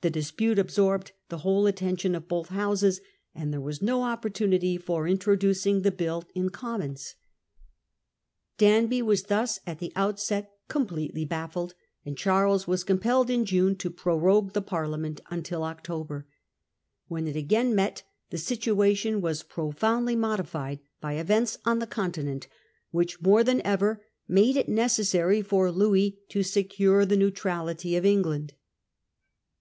The dispute absorbed the whole attention of both Houses, and there was no opportunity Danby for introducing the bill in the Commons, baffled. Danby was thus at the outset completely baffled, and Charles was compelled in June to prorogue the Parliament until October. When it again met the situation was profoundly modified by events on the Continent, which more than ever made it necessary for Louis to secure the neutrality of England.